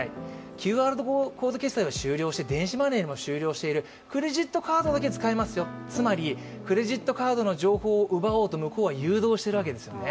ＱＲコード決済を終了して、電子マネーも終了している、クレジットカードだけ使えますよ、つまり、クレジットカードの情報を奪おうと向こうは誘導してるんですよね。